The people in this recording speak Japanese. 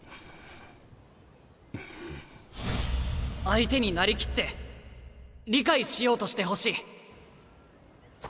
相手になりきって理解しようとしてほしい。